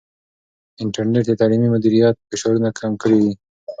انټرنیټ د تعلیمي مدیریت فشارونه کم کړي دي.